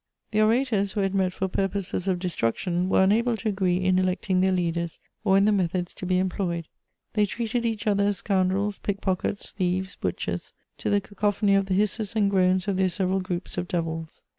* The orators, who had met for purposes of destruction, were unable to agree in electing their leaders or in the methods to be employed; they treated each other as scoundrels, pickpockets, thieves, butchers, to the cacophony of the hisses and groans of their several groups of devils.